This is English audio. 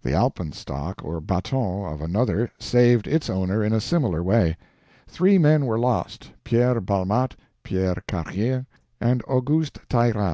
The alpenstock or baton of another saved its owner in a similar way. Three men were lost Pierre Balmat, Pierre Carrier, and Auguste Tairraz.